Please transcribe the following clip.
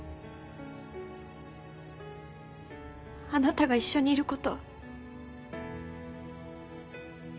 あなたが一緒にいること。